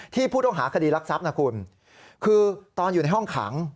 ผู้ต้องหาคดีรักทรัพย์นะคุณคือตอนอยู่ในห้องขัง